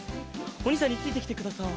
おにいさんについてきてください。